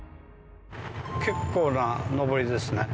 結構な上りですね。